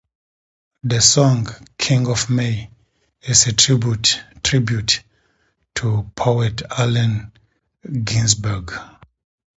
The song "King of May" is a tribute to poet Allen Ginsberg.